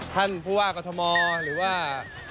ท่านผู้ว่ากรทมหรือว่า